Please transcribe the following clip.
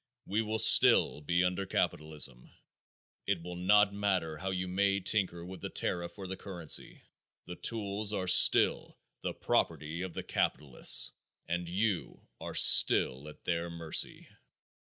We will still be under capitalism. It will not matter how you may tinker with the tariff or the currency. The tools are still the property of the capitalists and you are still at their mercy.